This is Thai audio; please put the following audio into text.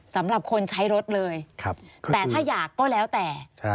สำหรับคนใช้รถเลยแต่ถ้าอยากก็แล้วแต่